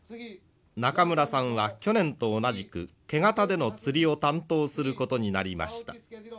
中村さんは去年と同じくケガタでの釣りを担当することになりました。